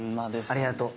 ありがとう。